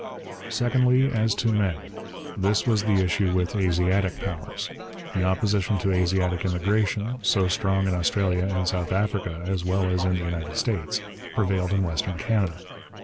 Secondly, as to men. This was the issue with Asiatic powers. The opposition to Asiatic immigration, so strong in Australia and South Africa as well as in the United States, prevailed in Western Canada.